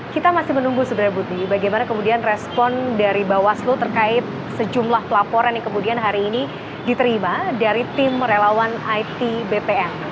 kita masih menunggu sebenarnya budi bagaimana kemudian respon dari bawaslu terkait sejumlah pelaporan yang kemudian hari ini diterima dari tim relawan it bpn